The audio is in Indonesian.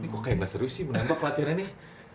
kok kayak gak serius sih menembak latihannya nih